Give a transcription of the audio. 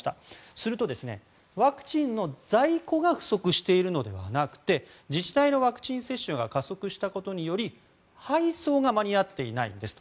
すると、ワクチンの在庫が不足しているのではなくて自治体のワクチン接種が加速したことにより、配送が間に合っていないんですと。